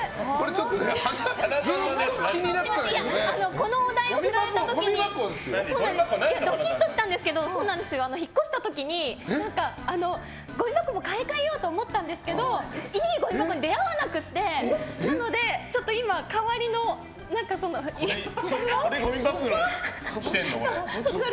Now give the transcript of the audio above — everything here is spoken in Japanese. このお題を振られた時にドキッとしたんですけど引っ越した時にごみ箱も買い替えようと思ったんですけどいいごみ箱に出会わなくてこれ、ごみ箱にしてるの？